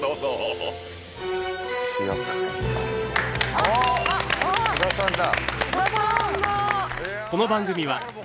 おっ津田さんだ。